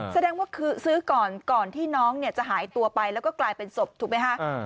แสดงว่าคือซื้อก่อนก่อนที่น้องจะหายตัวไปแล้วก็กลายเป็นศพถูกไหมคะ